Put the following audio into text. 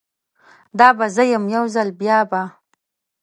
دا به زه یم، یوځل بیابه